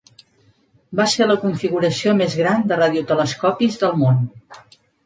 Va ser la configuració més gran de radiotelescopis del món.